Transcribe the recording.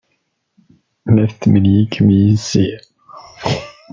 La tetmenyikem yes-i?